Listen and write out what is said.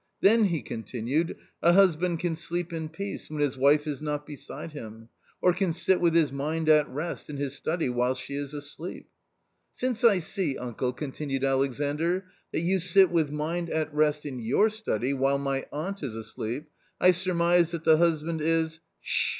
" Then," he continued, " a husband can sleep in peace when his wife is not beside him, or can sit with his mind at rest in his study while she is asleep/' " Since I see, uncle," continued Alexandr, " that you sit with mind at rest in your study while my aunt is asleep, I surmise that the husband is "" Sh, sh